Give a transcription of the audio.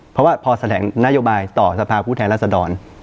เพราะว่าพอแถลงนโยบายต่อสภาพผู้แทนรัศดร